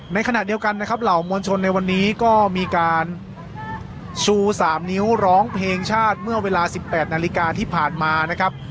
ในขณะเดียวกันนะครับเหล่ามวลชนในวันนี้ก็มีการชู๓นิ้วร้องเพลงชาติเมื่อเวลา๑๘นาฬิกาที่ผ่านมานะครับ